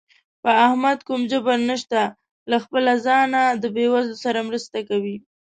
په احمد کوم جبر نشته، له خپله ځانه د بېوزلو سره مرسته کوي.